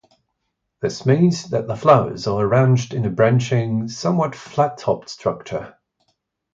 This means that the flowers are arranged in a branching, somewhat flat-topped structure.